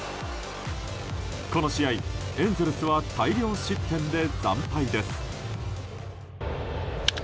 この試合、エンゼルスは大量失点で惨敗です。